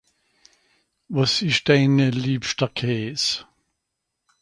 wàs esch deine liebschter kaes